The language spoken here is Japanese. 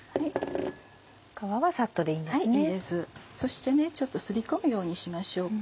そしてすり込むようにしましょうか。